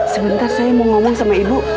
sebentar saya mau ngomong sama ibu